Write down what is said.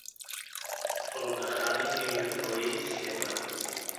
فڕۆکەخانەی نێونەتەوەییی سلێمانی